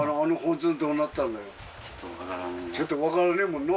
ちょっと分からねえもんな